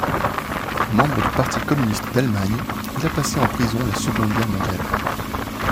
Membre du Parti communiste d'Allemagne, il a passé en prison la Seconde Guerre mondiale.